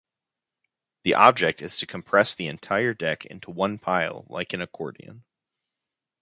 The object is to compress the entire deck into one pile like an accordion.